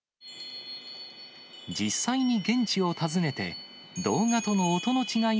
実際に現地を訪ねて、動画との音の違い